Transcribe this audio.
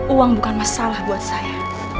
uang bukan masalah buat saya